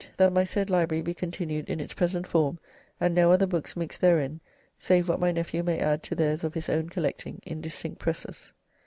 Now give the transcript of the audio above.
That my said library be continued in its present form and no other books mixed therein, save what my nephew may add to theirs of his own collecting, in distinct presses.